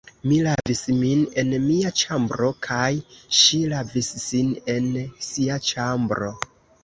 Mi lavis min en mia ĉambro, kaj ŝi lavis sin en sia ĉambro.